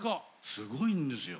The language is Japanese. すごいんですよ。